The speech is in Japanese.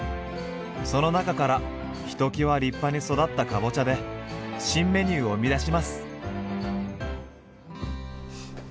その中からひときわ立派に育ったかぼちゃで新メニューを生み出します。